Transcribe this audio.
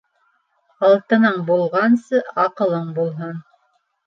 Алтының булғансы аҡылың булһын.